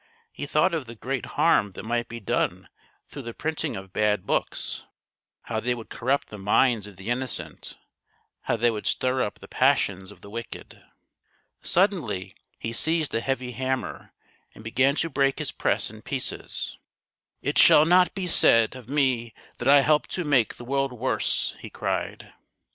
He thought of the great harm that might be done through the printing of bad books — how they would corrupt the minds of the innocent, how they would stir up the passions of the wicked. Suddenly he seized a heavy hammer and began to break his press in pieces. " It shall not be said JOHN GUTENBERG AND THE VOICES 49 of me that I helped to make the world worse," he cried.